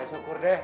ya syukur deh